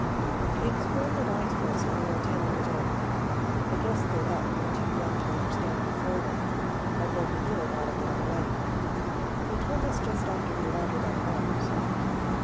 They explained it all to us when we were ten years old; I guess they thought we were too young to understand before then, although we knew a lot of it already. They told us just after we landed on Mars.